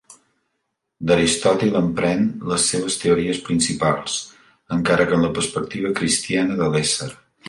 D'Aristòtil en pren les seves teories principals, encara que amb la perspectiva cristiana de l'ésser.